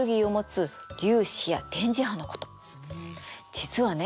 実はね